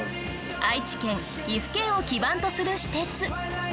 愛知県岐阜県を基盤とする私鉄。